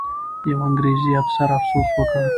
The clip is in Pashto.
یو انګریزي افسر افسوس وکړ.